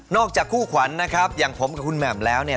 จากคู่ขวัญนะครับอย่างผมกับคุณแหม่มแล้วเนี่ย